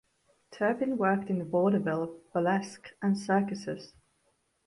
Turpin worked in vaudeville, burlesque, and circuses.